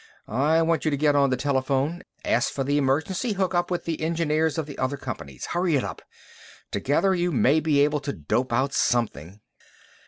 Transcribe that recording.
I want you to get on the telephone, ask for an emergency hookup with the engineers of the other companies. Hurry it up. Together you may be able to dope out something."